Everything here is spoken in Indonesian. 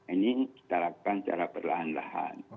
ini kita lakukan secara perlahan lahan